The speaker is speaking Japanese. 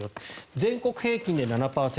全国平均で７％。